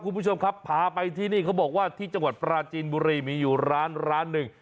คุณผู้ชมครับพาไปที่นี่เขาบอกว่าที่จังหวัดปราจีนบุรีมีอยู่ร้านร้านหนึ่ง